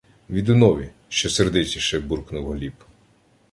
— Відунові, — ще сердитіше буркнув Гліб.